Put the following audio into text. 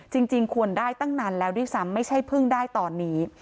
จริงควรได้ตั้งนานแล้วด้วยซ้ำไม่ใช่เพิ่งได้ตอนนี้